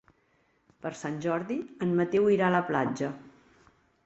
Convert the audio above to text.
Per Sant Jordi en Mateu irà a la platja.